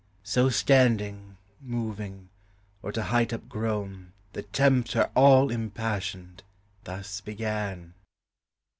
_] So standing, moving, or to height up grown, The tempter, all impassioned, thus began.